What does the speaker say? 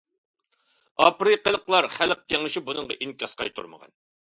ئافرىقىلىقلار خەلق كېڭىشى بۇنىڭغا ئىنكاس قايتۇرمىغان.